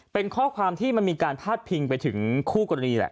เป็นข้อความที่มันมีการพาดพิงไปถึงคู่กรณีแหละ